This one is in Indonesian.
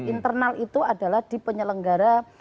internal itu adalah di penyelenggara